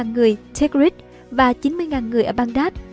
bảy mươi người tigris và chín mươi người ở baghdad